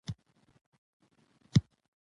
د پرېکړو پایلې باید سنجول شي